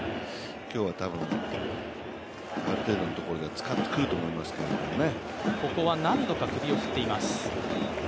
今日も多分、ある程度のところでは使ってくると思いますけどね。